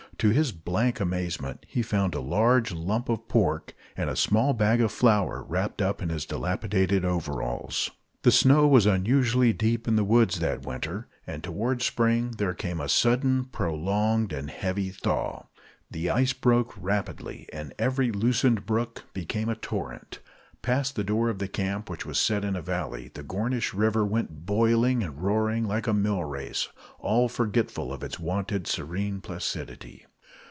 To his blank amazement he found a large lump of pork and a small bag of flour wrapped up in his dilapidated overalls. The snow was unusually deep in the woods that winter, and toward spring there came a sudden, prolonged, and heavy thaw. The ice broke rapidly and every loosened brook became a torrent. Past the door of the camp, which was set in a valley, the Gornish River went boiling and roaring like a mill race, all forgetful of its wonted serene placidity.